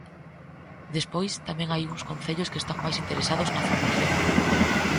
Despois, tamén hai uns concellos que están máis interesados na formación.